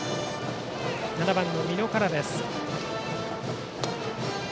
７番の美濃からです。